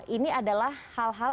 ini adalah hal hal